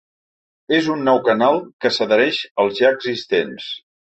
És un nou canal que s’adhereix als ja existents.